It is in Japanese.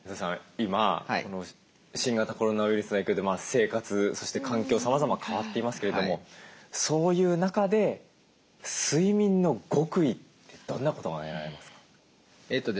今新型コロナウイルスの影響で生活そして環境さまざま変わっていますけれどもそういう中で「睡眠の極意」ってどんなことが挙げられますか？